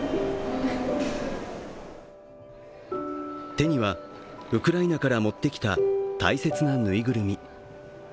手にはウクライナから持ってきた大切なぬいぐるみ。